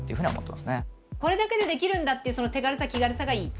これだけで出来るんだっていうその手軽さ気軽さがいい？